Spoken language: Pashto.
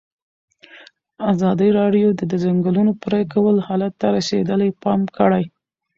ازادي راډیو د د ځنګلونو پرېکول حالت ته رسېدلي پام کړی.